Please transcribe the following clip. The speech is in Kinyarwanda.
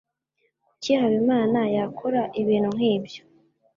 Kuki Habimana yakora ibintu nkibyo?